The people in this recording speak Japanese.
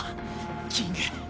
キング。